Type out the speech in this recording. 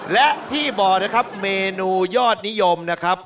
และที่บอกนะครับเมนูยอดนิยมนะครับ